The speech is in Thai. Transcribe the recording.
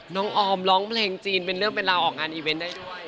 ออมร้องเพลงจีนเป็นเรื่องเป็นราวออกงานอีเวนต์ได้ด้วย